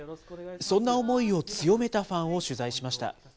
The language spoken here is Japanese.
そんな思いを強めたファンを取材しました。